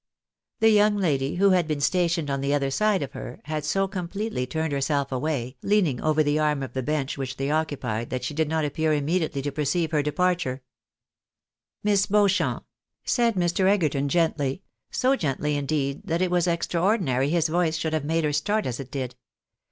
The young lady who had been stationed on the other side of her, had so completely turned herself away, leaning over the arm of the bench which they occupied, that she did not appear imme diately to perceive her departure. A KECIPEOCAL TREATY. 161 " Miss Beauchamp !" said Mr. Egerton, gently — so gently, indeed, that it was extraordinary his voice should have made her start as it did.